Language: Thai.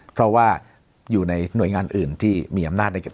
เพราะว่าอยู่ในหน่วยงานอื่นที่มีอำนาจในการ